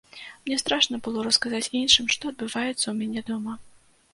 Мне страшна было расказаць іншым, што адбываецца ў мяне дома.